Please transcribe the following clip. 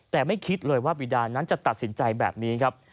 แต่ไม่คิดเลยว่าบีดานั้นจะตัดสินใจแบบนี้ครับ